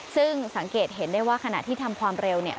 ซึ่งสังเกตเห็นได้ว่าขณะที่ทำความเร็วเนี่ย